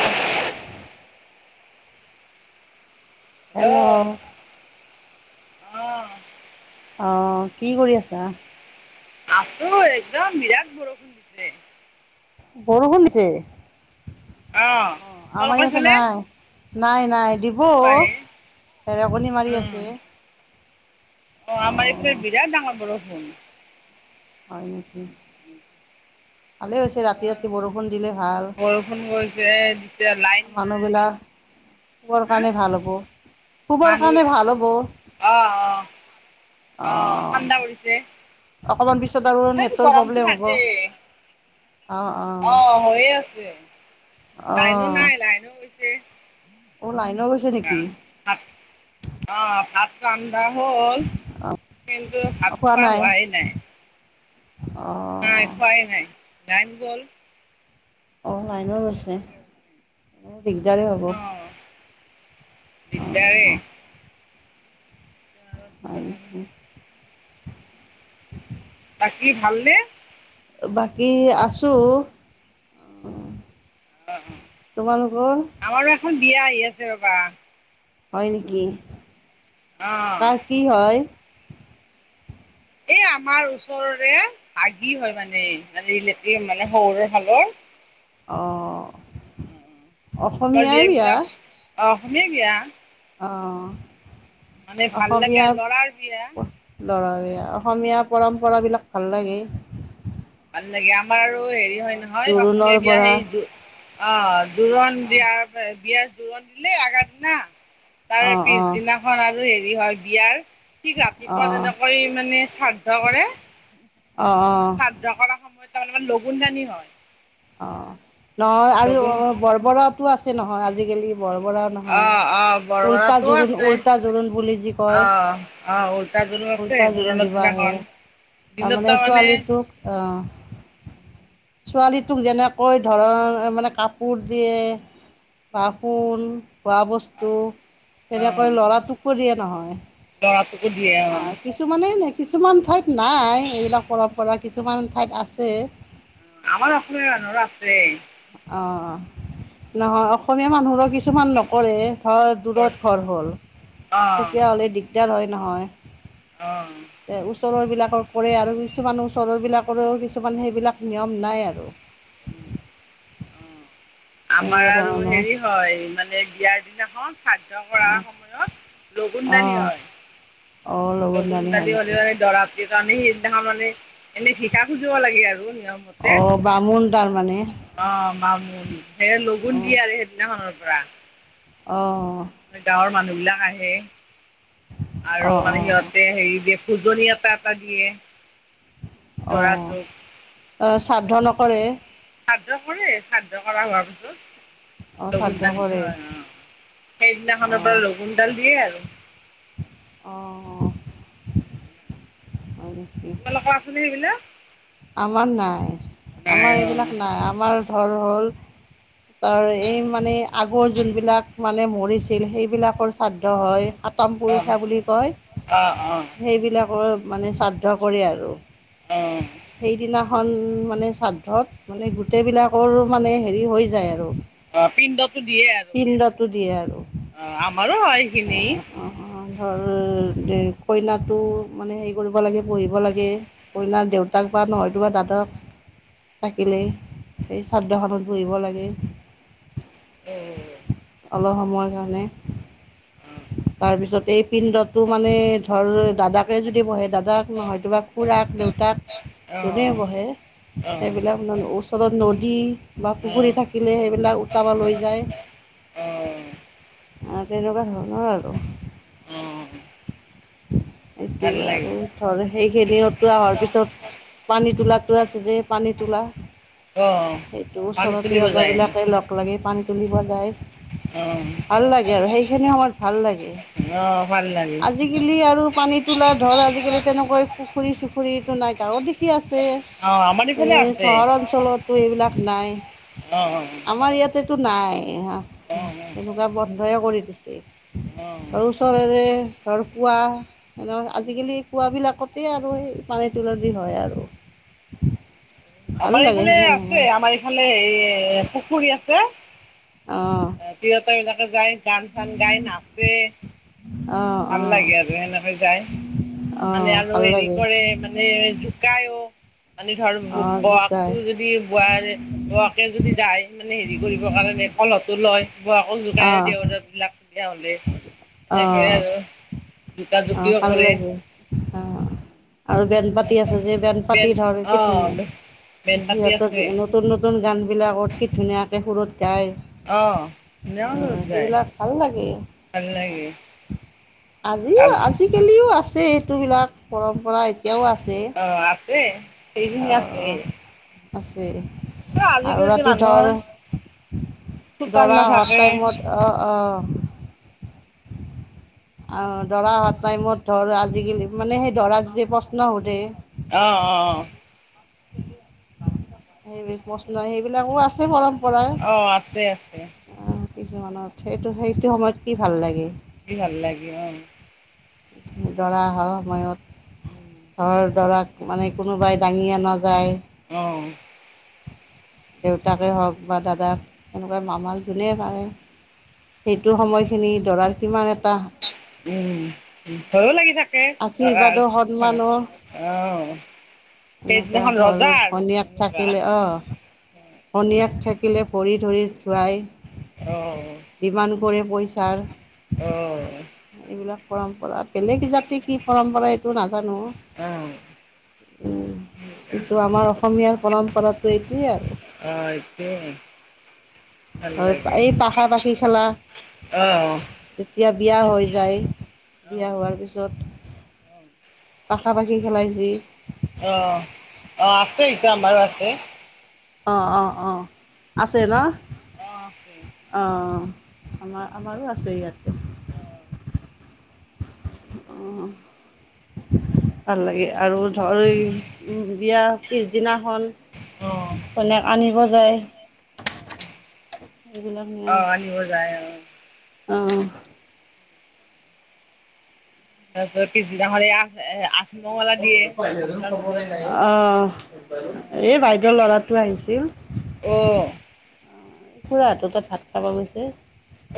[unintelligible] Hello, অঁ অ কি কৰি আছা। আছোঁ একদম বিৰাট বৰষুণ দিছে। বৰষুণ দিছে অঁ অ আমাৰ তোমালোকৰ ইয়াতে ফালে নাই। নাই নাই দিব কি কয় ঢেৰেকণি মাৰি আছে। অ আমাৰ এইফালে বিৰাট ডাঙৰ বৰষুণ। হয় নেকি? [inaudible] ভালেই হৈছে, ৰাতি- ৰাতি বৰষুণ দিলে ভাল। বৰষুণ গৈছে দিছে লাইন ভা নাই মানুহবিলাক শুবৰ হা কাৰনে ভাল হ'ব। শুবৰ মানুহ কাৰণে ভাল হ'ব, অঁ অঁ অঁ অহ। [unintelligible] অকণমান পিছত আৰু তথাপিতো নেটৰ গৰমটো প্ৰব্লেম হ'ব, থাকেই অ- অ। অ, হৈয়েই আছে, অ লাইনো নাই, লাইনো গৈছে। অ, লাইনো গৈছে। নেকি [unintelligible] অ, পাত [unintelligible] [unintelligible] হল, কিন্তু ভাত খোৱা হোৱাই নাই। অহ। নাই খোৱাই নাই, লাইন গ'ল। অ, লাইনো গৈছে, দিগদাৰি হ'ব। অ, অ', দিগদাৰেই। হয় নেকি? [inaudible] বাকী ভালনে? বাকী আছোঁ। অঁ তোমালোকৰ? আমাৰো এখন বিয়া আহি আছে ৰ'বা। হয় নেকি? অ'। কাৰ কি হয়? এই আমাৰ ওচৰৰে ভাগিন হয় মানে- মানে ৰিলেটিভ শহুৰৰ ফালৰ। অঁ। আমাৰ বিয়া বিলাক অ, হোমিয়াই দিয়া। অঁ। মানে ভাল লাগে আৰু ল'ৰাৰ বিয়া। ল'ৰাৰ বিয়া। অসমীয়া পৰম্পৰাবিলাক ভাল লাগে। ভাল লাগে, আমাৰ আৰু হেৰি হয় অ', নহয় জোৰোণৰ অসমীয়া বিয়া পৰা সেই জো অ' জোৰোণ অ', দিয়াৰ বিয়া জোৰোণ দিলেই আগাৰ দিনা। তাৰ অ', অ', পিছদিনাখন আৰু হেৰি হয়, বিয়াৰ ঠিক ৰাতিপুৱা অ', যেনেকৈ মানে শ্ৰাদ্ধ কৰে অ, অ। কৰা শ্ৰাদ্ধ সময়ত তাৰমানে লগুন দানি হয়। অ' নহয় আৰু লগুণ অ' বৰবৰাতো আছে নহয় আজিকালি বৰবৰা। নহয়, অ' অ' উল্টা বৰবৰাতো জোৰোণ, আছে উল্টা জোৰোণ বুলি যি কয়, অ, অ, উল্টা জোৰোণ আছে, উল্টা জোৰোণ জোৰণৰ দিব আহে। দিনাখন দিনত তাৰমানে ছোৱালীটোক আহ উম [unintelligible] ছোৱালীটোক যেনেকৈ ধৰ, মানে কাপোৰ দিয়ে বা সোন খোৱা বস্তু, তেনেকৈ ল'ৰাতোকো দিয়ে নহয়। দৰাটোকো দিয়ে অ'। আহ কিছুমানে- কিছুমান ঠাইত নাই এইবিলাক পৰম্পৰা, কিছুমান ঠাইত আছে। আমাৰ আছে, আনৰো আছে। অঁ নহয়, অসমীয়া মানুহৰো কিছুমান নকৰে ধৰ দূৰত ঘৰ হ'ল অ' তেতিয়াহ'লে দিগদাৰ হয় নহয়। অ' ওচৰৰ বিলাকৰ কৰে আৰু, কিছুমান ওচৰৰ বিলাকৰো কিছুমান সেইবিলাক নিয়ম নাই আৰু। আমাৰ এনেকুৱা আৰু ধৰণৰ হেৰি হয়, মানে বিয়াৰ দিনাখন শ্ৰাদ্ধ কৰা সময়ত লগুন দানি অ হয়। অ' লগুণ লগুণদানী হয় দানি নেকি? হ'লেও দৰাটো কাৰণে সেইদিনাখন মানে এনে ভিক্ষা খুজিব লাগে আৰু, নিয়ম অঁ বামুণ তাৰ মানে অ' বামুন, সেই লগুণ দিয়ে আৰু সেইদিনাখনৰ পৰা। অঁ গাঁৱৰ মানুহ বিলাক আহে আৰু অ' অ' মানে সিহঁত তে হেৰি দিয়ে ভোজনি এটা এটা দিয়ে। অ' দৰাটোক এ শ্ৰাদ্ধ নকৰে শ্ৰাদ্ধ কৰে, শ্ৰাদ্ধ কৰা হোৱাৰ পিছত। অ' লগুন শ্ৰাদ্ধ দানি কৰে হয় অ', সেইদিনাখনৰ পৰা অ' লগুনডাল দিয়ে আৰু। অঁ আৰু কি তোমালোকৰ আছেনে সেইগিলা আমাৰ নাই নাই আমাৰ অ', এইবিলাক নাই আমাৰ ধৰ হ'ল তাৰ এই মানে আগৰ যোনবিলাক মানে মৰিছিল সেইবিলাকৰ শ্ৰাদ্ধ হয় সাত তম অ', পুৰুষীয়া বুলি অ', কয়, অ', সেইবিলাকৰ মানে শ্ৰাদ্ধ কৰে আৰু। অ সেইদিনাখন মানে শ্ৰাদ্ধত মানে গোটেইবিলাকৰ মানে হেৰি হৈ যায় আৰু। অ' পিণ্ডতো দিয়ে আৰু অ, পিণ্ডটো দিয়ে আৰু আমাৰো হয় সেইখিনি। অ ধৰ এই কইনাটো মানে হেৰি কৰিব লাগে, বহিব লাগে। কইনাৰ দেউতাক বা নহয়তোবা দাদক থাকিলেই, সেই শ্ৰাদ্ধখনত বহিব লাগে। অ', অলপ সময় কাৰণে। অ', তাৰ পিছত এই পিণ্ডতো মানে ধৰ দাদাকে যদি বহে দাদাক, নহয়তোবা খুৰাক, দেউতাক যোনে অ', বহে, অ', সেইবিলাক ন ওচৰত নদী বা অ', পুখুৰী অ', থাকিলে সেইবিলাক উটাবা লৈ যায। অ' অ', তেনেকুৱা ধৰণৰ আৰু এইটো, ভাল আৰু লাগে ধৰ সেইখিনি উটোৱাই অহাৰ পিছত পানী তোলাতো আছে যে, পানীতোলা। অ', সেইটো পানী ওচৰৰ তুলিব তিৰোতা যায় বিলাকে লগ লাগি পানী তুলিব যায় অ', ভাল লাগে আৰু সেইখিনি সময়ত ভাল লাগে। অ', ভাল লাগে। আজিকালি আৰু পানী তোলা ধৰ আজিকালি তেনেকৈ পুখুৰী চুখুৰীটো নাই গাঁৱৰ দেখি আছে। অ', আমাৰ ইফালে এনেই আছে চহৰ অঞ্চলতো এইবিলাক নাই। অ অ অ। আমাৰ ইয়াতেতো নাই, আ আ অ', এনেকুৱা বন্ধয়ে কৰি দিছে। অ', ধৰ ওচৰেৰে ধৰ কুুৱা এনেও আজিকালি কুৱাবিলাকতেই আৰু সেই পানী তোলাদি হয় আৰু। [unintelligible] আমাৰ লাগে এইফালে সেইখিনি আছে। সময় আমাৰ এই এইফালে এই পুখুৰী আছে। অঁ তিৰোতা বিলাকে যায়। গান-চান গাই নাচে, অঁ ভাল অঁ লাগে আৰু সেনেকে যায়। মানে অঁ আৰু ভাল হেৰি লাগে কৰে মানে জোকাইও, মানে ধৰ ব অঁ জোকাই যদি বোৱাৰ বোৱাকে যদি যায় মানে হেৰি কৰিবৰ কাৰণে কলহটো লয়। বৌকক জোকাই অঁ দেওৰে বিলাক বিয়া হ'লে। সেনেকেয়ে আৰু। জোকা অ' জুকিও ভাল কৰে লাগে, অ'। আৰু বেন পাতি আছে যে, বেন পাতি ধৰ কি ধুনীয়া। বেন পাতি সিহঁতৰ আছে যে নতুন নতু তুন গানবিলাকত কি ধুনীয়াকে সুৰত গায়। অ' ধুনীয়া সুৰত গায়, সেইবিলাক ভাল লাগে ভাল লাগে। আজিও আজিকালিও আছে এইটো বিলাক পৰম্পৰা। এতিয়াও আছে অ' আছে। সেইখিনি আছে অ' আছে। আৰু আজিকালিতো ৰাতি মানুহৰ ধৰ, চোতাল দৰা অহা নাথাকে। টাইমত অ' অ'। অ' দৰা অহা টাইমত ধৰ আজিকালি মানে, সেই দৰাক যে প্ৰশ্ন সুধে। অ' অ' অ'। সেইবি প্ৰশ্ন, সেইবিলাকো আছে পৰম্পৰা। অ' আছে। অ' কিছুমানত। সেইটো সেইটো সময়ত কি ভাল লাগে? কি ভাল লাগে অ'। দৰা অহাৰ সময়ত, ধৰ দৰাক মানে কোনোবাই দাঙি আনা যায়। অ'। দেউতাকে হওঁক বা দাদাক, এনেকুৱা মামাক যোনেই পাৰে। সেইটো সময়খিনি দৰাৰ কিমান এটা। উম' ভয়ো লাগি থাক। তাকে, আশীৰ্বাদো সন্মানো অ'। এনেকুৱা সেইদিনাখন ধৰ ৰজা আৰু যেনিবা। পনিয়াক থাকিলে, ভৰি ধৰি ধুৱাই। অঁ। ডিমাণ্ড কৰে পইচাৰ। অ'। এইবিলাক পৰম্পৰা, বেলেগ জাতিৰ কি পৰম্পৰা এইটো নাজানো। অ', কিন্তু আমাৰ অসমীয়াৰ পৰম্পৰাটো এইটোৱেই আৰু। অ' এইটোয়ে। আৰু এই পাশা পাখি খেলা। অ'। যেতিয়া বিয়া হৈ যায়, বিয়া অ', হোৱাৰ পিছত। [unintelligible] পাশা পাশি খেলাই যি। অ', আছে এতিয়া আমাৰো আছে। অ' অ' অ' আছে ন'। অ' আছে। অঁ আমাৰ, আমাৰো আছে ইয়াতে। অ', অঁ। ভাল লাগে, আৰু ধৰ উম' বিয়া পিছদিনাখন। অঁ। কইনাক আনিব যায় এইবিলাক নিয়ম অঁ আনিব যায় অঁ। অ। [unintelligible] দিয়ে এসপ্তাহৰ পিছত অহ এই বাইদেউ ল'ৰাটো আহিছিল। অ' খুৰাহঁতৰ তাত ভাত খাব গৈছে।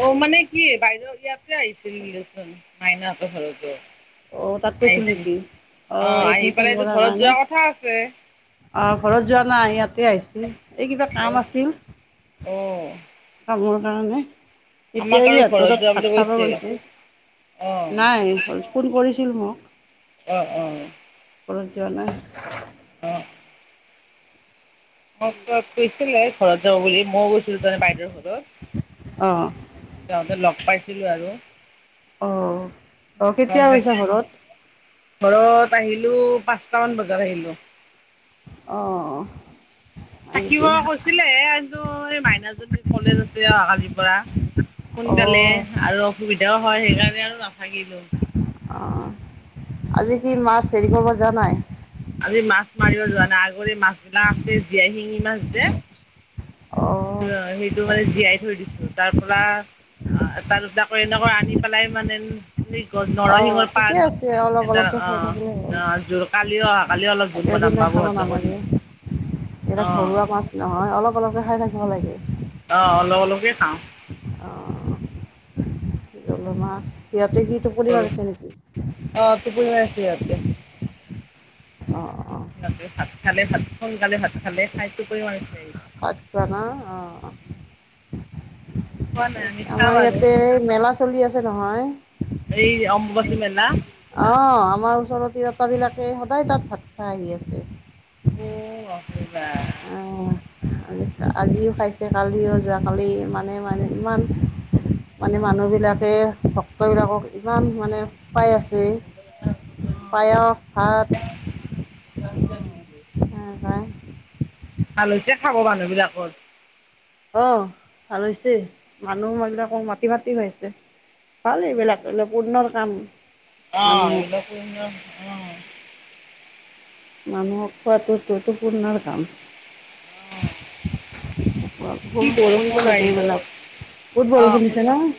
অ মানে কি বাইদেউ ইয়াতে আহিছিল চোন মাইনাত ঘৰতো অ', তাত গৈছিল আহি নেকি? অ আহি পেলাইটো ঘৰত যোৱাৰ কথা আছে অহ ঘৰত যোৱা নাই ইয়াতে আহিছিল এই কিবা অ কাম আছিল। অ কামৰ কাৰণে এতিয়া আমাক আৰু ইহঁতৰ ঘৰত তাত যোৱা ভাত বুলি খাব কৈছে গৈছে অ নাই হল ফোন কৰিছিল মোক অঁ অঁ। ঘৰত যোৱা নাই অ মোক ত কৈছিলে ঘৰত যোৱা বুলি মইও গৈছিলো তাৰমানে বাইদেউৰ অ'। ঘৰত যাওঁতে লগ পাইছিলো আৰু। অ অ অ কেতিয়া গৈছা ঘৰত? ঘৰত আহিলো পাঁচটামান বজাত আহিলো অহ অহ থাকিব কৈছিলে এই কিন্তু মাইনাজনীৰ কলেজ আছে অহা কালিৰ পৰা সোনকালে অ'। আৰু অসুবিধাও হয় সেইকাৰণে আৰু নাথাকিলো। অঁ। আজি কি মাছ হেৰি কৰিব যোৱা নাই? আজি মাছ মাৰিব যোৱা নাই আগৰে মাছ বিলাক আছে জীয়াই শিঙি মাছ যে ত অ'। সেইটো মানে জীয়াই থৈ দিছো তাৰপৰা অ এটা দুটাকৈ এনেকৈ আনি পেলাই মানে অ', নৰসিংৰ ঠিকে পাত আছে অলপ সিহঁতৰ অলপকৈ খাই অ' থাকিলে হ'ল। অ' যোৰ কালিও অহা কালিও অলপ জোল বনাম একেদিনাই খাব বাবুহঁতকো নালাগে দিম। এইয়া অ', ঘৰুৱা মাছ নহয় অলপ অলপকৈ খাই থাকিব লাগে। অ' অলপ অলপকে খাওঁ। অ', সিহঁতে কি টোপনি সৰু মাৰিছে নেকি? অ' টোপনি মাৰিছে সিহঁতে। অ' অ'। সিহঁতে ভাত খালে ভাত সোনকালে ভাত খালে খাই টোপনি মাৰিছে। ভাত খোৱা না অঁ অঁ আমি খোৱা নাই আমি খাম আমাৰ আৰু ইয়াতে মেলা চলি আছে নহয়। এই অম্বুবাচী মেলা। অ' আমাৰ ওচৰতে সিহঁত বিলাকে সদায় তাত ভাত খাই আহি আছে। [unintelligible] অঁ আজিও খাইছে কালিও যোৱাকালি মানে মানে ইমান মানে মানুহ বিলাকে ভক্তবিলাকক ইমান মানে খোৱাই আছে। অ পায়স, ভাত। অ [unintelligible] উম হয়। ভাল হৈছে খাব মানুহ বিলাকৰ। অ ভাল হৈছে, মানুহ [unintelligible] মাতি মাতি খোৱাইছে। ভাল এইবিলাক এইবিলাক পুৰ্ণৰ কাম। অ মানুহক এইবিলাক পূণ্যৰ [unintelligible] মানুহক খোৱাটো এইটো পূণ্যৰ কাম। কি [unintelligible] বৰষুণ কৰিব লাগে বাহিৰত এইবিলাক, বহুত অ বৰষুণ দিছে কৰিব ন?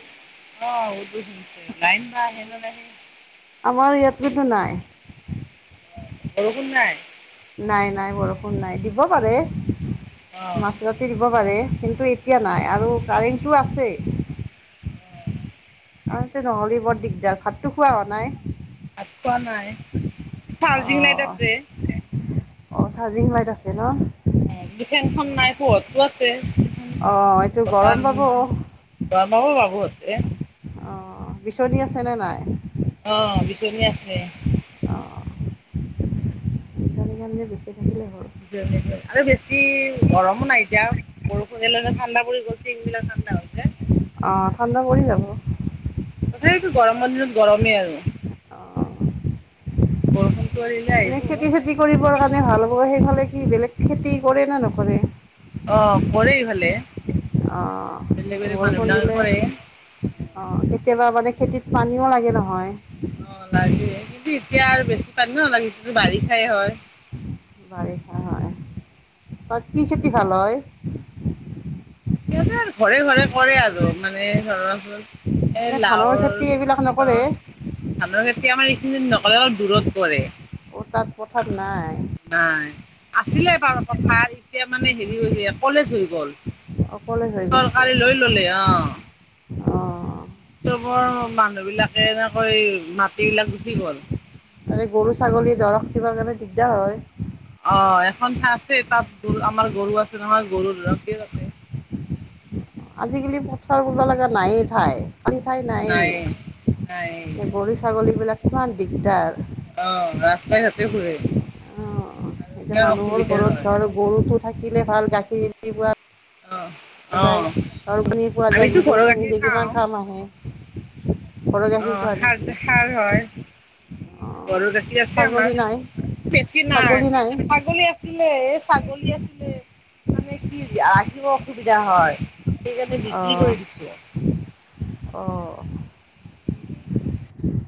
অ [unintelligible] লাইন বা আহে নে নাহে? আমাৰ ইয়াত কিন্তু নাই। বৰষুণ নাই? নাই নাই বৰষুণ নাই দিব পাৰে। অ [unintelligible] দিব পাৰে কিন্তু এতিয়া নাই আৰু কাৰেণ্টটো আছে। [inaudible] কাৰেন্টটো নহ'লে বৰ দিগদাৰ ভাতো খোৱা হোৱা নাই। ভাত খোৱা নাই, চাৰ্জিং লাইট আছে। অ চাৰ্জিং লাইট আছে ন। অ ফেনখন নাই পোহৰতটো আছে, অঁ এইটো গৰম বতান পাব অঁ [unintelligible] বাবুহতে অ বিচনী আছে নে নাই? অ বিচনী আছে। অ'। বিচনীখন দি বিছি থাকিলে হ'ল। আৰু বেছি গৰমো নাই এতিয়া। বৰষুণে দিয়াৰ লগে লগে ঠাণ্ডা পৰি গ'ল টিনবিলাক ঠাণ্ডা হৈছে। অ' ঠাণ্ডা পৰি যাব। তথাপিতো গৰমৰ দিনত গৰমেই আৰু। অঁ বৰষুণটো এৰিলে আহিব লাইন। কৰিব কা [unintelligible] ভাল হ'ব। সেইফালে কি বেলেগ খেতি কৰে নে নকৰে? অ কৰে ইফালে, অঁ বেলেগ বেলেক মানুহ বিলাকে কৰে। অ কেতিয়াবা মানে খেতিত পানীও লাগে নহয়। অ লাগে কিন্তু এতিয়া আৰু বেছি পানী নালাগে এতিয়াটো বাৰিষাই হয়। বাৰিষা হয়, তাত কি খেতি ভাল হয়? ইয়াতে আৰ ঘৰে ঘৰে কৰে আৰু মানে ধৰাচন এনে ধানৰ এলাওৰ খেতি এইবিলাক টিহ নকৰে ধানৰ খেতি আমাৰ এইখিনি নকৰে অলপ দূৰত কৰে। অ তাত পথাত নাই। নাই, আছিলে বাৰু পথাৰ এতিয়া মানে হেৰি হৈছে কলেজ হৈ গ'ল। কলেজ হৈ গৈছে চৰকাৰে লৈ ললে অ। বৰ মানুহ বিলাকে এনেকৈ মাটি বিলাক গুচি গ'ল। মানে গৰু-ছাগলী ধৰক দিবা কাৰণে দিগদাৰ হয়। অ এখন ঠাই আছে তাত গৰু আমাৰ গৰু আছে নহয় গৰু [unintelligible] আজিকালি পথাৰ কৰিব লগা নায়েই ঠাই। খালি ঠাই নাই, নাই এই গৰু-ছাগলী বিলাক কিমান দিগদাৰ। অ ৰাস্তাই ঘাটে ফুৰে। অ' আৰু এতিয়া কিমান মানুহ অসুবিধা ঘৰত হয় ধৰ গৰুটো থাকিলে ভাল গাখীৰ অ'। [unintelligible] সাৰ পানী পোৱা যায়, আমিতো গোবৰ ঘৰৰ খিনি গাখীৰ দি খাওঁ কিমান কাম আহে। ঘৰৰ গাখীৰ অ', খোৱা সাৰ নেকি যে সাৰ হয়, উম, অ' গৰু গাখীৰ আছে ছাগলী আমাৰ। নাই বেছি নাই, ছাগলী নাই ছাগলী আছিলে এ ছাগলী আছিলে। মানে কি ৰাখিব অসুবিধা হয়, সেইকাৰণে বিক্ৰী অঁ কৰি দিছো। অঁ